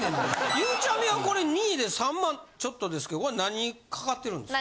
ゆうちゃみはこれ２位で３万ちょっとですけどこれ何にかかってるんですか？